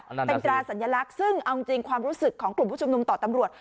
เป็นตราสัญลักษณ์ซึ่งเอาจริงความรู้สึกของกลุ่มผู้ชุมนุมต่อตำรวจ